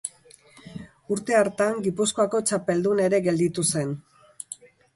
Urte hartan Gipuzkoako txapeldun ere gelditu zen.